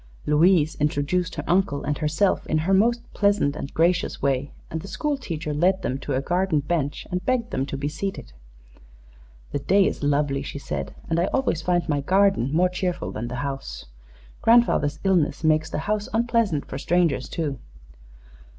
Louise introduced her uncle and herself in her most pleasant and gracious way, and the school teacher led them to a garden bench and begged them to be seated. "The day is lovely," she said, "and I always find my garden more cheerful than the house. Grandfather's illness makes the house unpleasant for strangers, too."